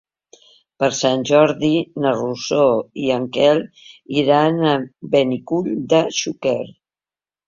Per Sant Jordi na Rosó i en Quel iran a Benicull de Xúquer.